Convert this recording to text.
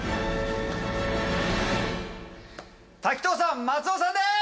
滝藤さん松尾さんです！